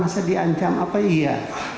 masa diancam apa iya